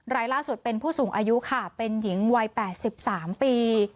รายล่าสุดเป็นผู้สูงอายุค่ะเป็นหญิงวัย๘๓ปี